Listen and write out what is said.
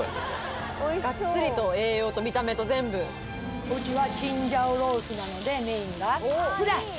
美味しそうガッツリと栄養と見た目と全部うちはチンジャオロースなのでメインがプラス